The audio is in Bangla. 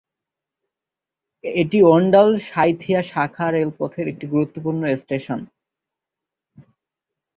এটি অণ্ডাল-সাঁইথিয়া শাখা রেলপথের একটি গুরুত্বপূর্ণ স্টেশন।